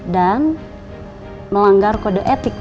dan melanggar kode etik